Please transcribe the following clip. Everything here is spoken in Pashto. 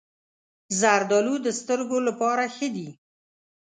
زردالو د سترګو لپاره ښه دي.